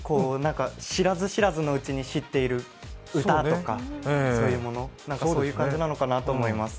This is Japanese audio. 知らず知らずのうちに知っている歌とか、そういうものそういう感じなのかなと思います。